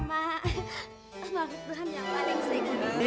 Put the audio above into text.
mabuk tuhan yang paling sedih